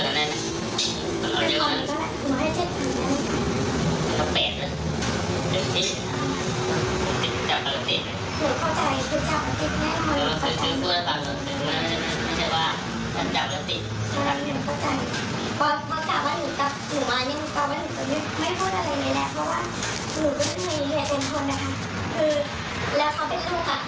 เราก็มาเลือกสถาปนิต